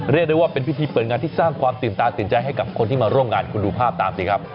เรียกได้ว่าเป็นพิธีเปิดงานที่สร้างความตื่นตาตื่นใจให้กับคนที่มาร่วมงานคุณดูภาพตามสิครับ